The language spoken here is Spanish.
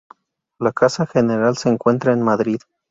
La casa general se encuentra en Madrid.